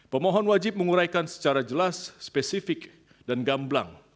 pemohon wajib menguraikan secara jelas spesifik dan gamblang